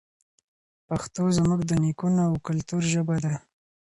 پښتو زموږ د نیکونو او کلتور ژبه ده.